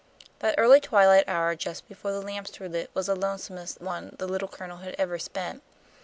That early twilight hour just before the lamps were lit was the lonesomest one the Little Colonel had ever spent.